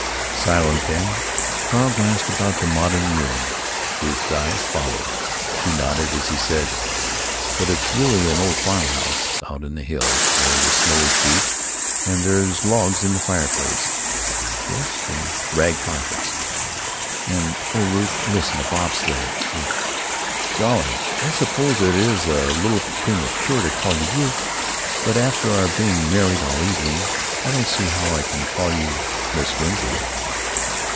Silent then. Carl glanced about the modern room. Ruth's eyes followed. She nodded as he said: "But it's really an old farm house out in the hills where the snow is deep; and there's logs in the fireplace." "Yes, and rag carpets." "And, oh, Ruth, listen, a bob sled with——Golly! I suppose it is a little premature to call you 'Ruth,' but after our being married all evening I don't see how I can call you 'Miss Winslow.'"